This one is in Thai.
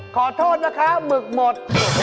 ขอโทษนะคะหมึกหมด